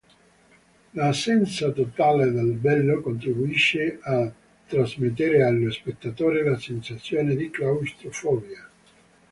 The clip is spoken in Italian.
L'assenza totale del "bello" contribuisce a trasmettere allo spettatore la sensazione di claustrofobia.